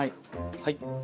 はい。